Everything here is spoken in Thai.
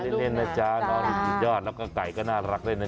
เจอกันเล่นนะจ๊ะน้องนี่ดียอดแล้วก็ไก่ก็น่ารักได้นึง